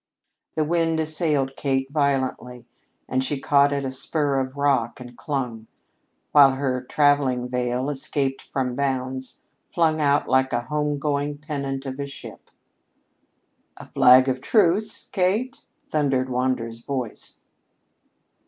The wind assailed Kate violently, and she caught at a spur of rock and clung, while her traveling veil, escaped from bounds, flung out like a "home going" pennant of a ship. "A flag of truce, Kate?" thundered Wander's voice.